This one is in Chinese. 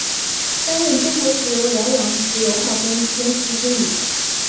担任中国石油辽阳石油化工公司经理。